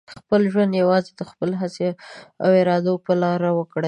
خپل ژوند یوازې د خپلې هڅې او ارادو په لاره وکړئ.